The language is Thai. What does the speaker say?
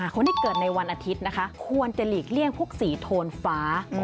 คนที่เกิดในวันอาทิตย์นะคะควรจะหลีกเลี่ยงพวกสีโทนฟ้า